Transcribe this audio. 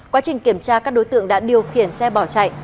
quá trình kiểm tra các đối tượng đã điều khiển xe bỏ chạy